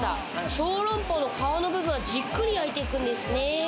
小籠包の皮の部分、じっくり焼いていくんですね。